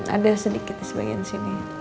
ada sedikit di sebagian sini